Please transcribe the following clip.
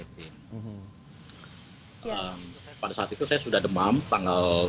pada saat itu saya sudah demam tanggal sembilan belas